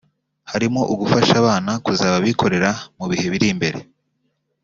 harimo ugufasha abana kuzaba abikorera mu bihe biri imbere